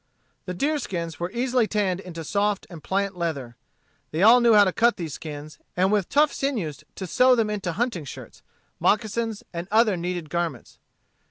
The deerskins were easily tanned into soft and pliant leather. They all knew how to cut these skins, and with tough sinews to sew them into hunting shirts, moccasins, and other needed garments.